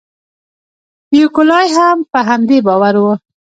نیکولای هم په همدې باور و.